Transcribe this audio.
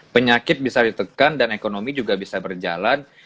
penyakit bisa ditekan dan ekonomi juga bisa berjalan